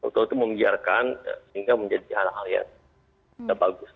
dokter itu membiarkan sehingga menjadi hal hal yang bagus